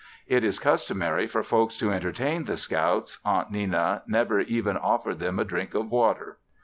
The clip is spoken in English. It is customary for folks to entertain the scouts, Aunt Nenna never even offered them a drink of water.